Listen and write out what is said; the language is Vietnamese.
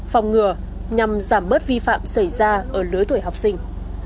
phòng ngừa nhằm giảm bớt vi phạm xảy ra ở lứa tuổi học sinh